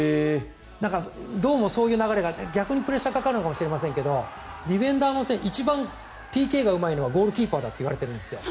どうもそういう流れがあって逆にプレッシャーがかかるのかもしれませんが一番ＰＫがうまいのはゴールキーパーだといわれてるんです。